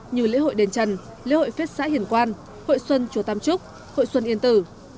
như lễ hội đền trần lễ hội phết xã hiền quan hội xuân chùa tam trúc hội xuân yên tử